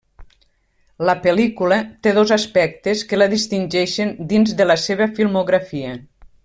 La pel·lícula té dos aspectes que la distingeixen dins de la seva filmografia.